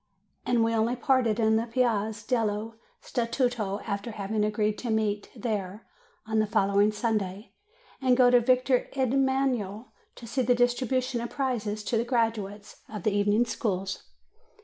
And we only parted in the Piazza, dello Statuto after having agreed to meet THE DISTRIBUTION OF PRIZES 323 there on the following Sunday, and go to the Victor Emanuel to see the distribution of prizes to the graduates of the evening schools.